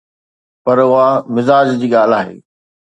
پر اها مزاج جي ڳالهه آهي.